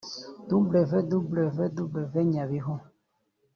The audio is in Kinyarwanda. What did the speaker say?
www nyabihu